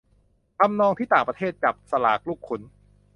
ทำนองที่ต่างประเทศจับสลากลูกขุน